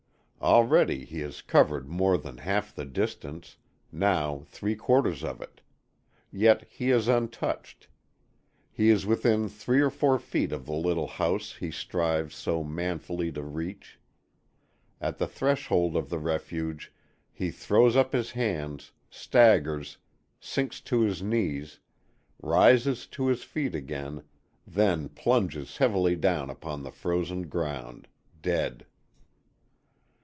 Already he has covered more than half the distance, now three quarters of it. Yet he is untouched. He is within three or four feet of the little house he strives so manfully to reach. At the threshold of the refuge he throws up his hands, staggers, sinks to his knees, rises to his feet again, then plunges heavily down upon the frozen ground, dead.